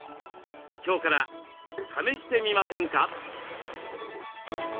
今日から試してみませんか？